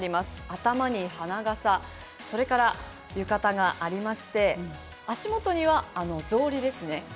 頭に花笠それから浴衣がありまして足元には草履ですね。